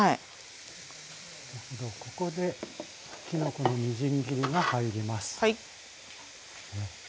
ここできのこのみじん切りが入ります。